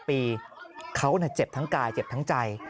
มีแก่แบบทั้นไว้